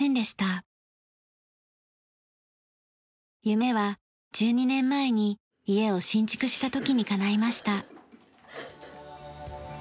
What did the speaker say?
夢は１２年前に家を新築したときにかないました。